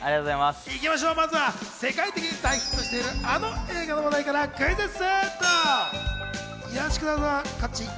まずは世界的に大ヒットしているあの映画の話題からクイズッス。